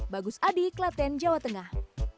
bagus adi klaten jawa tengah